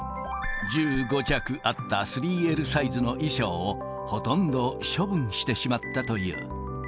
１５着あった３Ｌサイズの衣装をほとんど処分してしまったという。